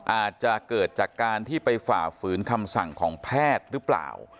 อาจจะเกิดจากการที่ไปฝ่าฝืนคำสั่งของแพทย์หรือเปล่า